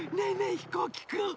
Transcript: ひこうきくん！